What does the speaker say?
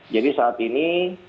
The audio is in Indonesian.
jadi saat ini